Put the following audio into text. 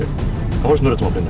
kamu harus menurut sama brenda